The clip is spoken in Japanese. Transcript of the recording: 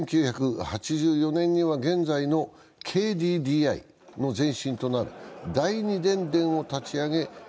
１９８４年には、現在のＫＤＤＩの前身となる第二電電を立ち上げ